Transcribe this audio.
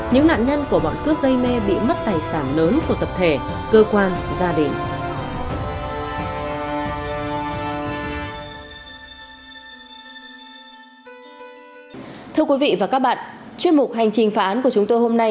những nạn nhân của bọn cướp gây mê bị mất tài sản lớn của tập thể cơ quan gia đình